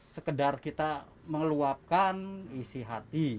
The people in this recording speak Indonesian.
sekedar kita meluapkan isi hati